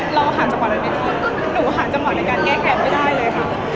หนูหาจังหวัดในการแกล้งแขนไม่ได้เลยค่ะ